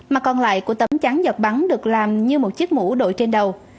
mà còn lại của tấm chắn giọt bắn được làm như một chiếc mũ đội trên đầu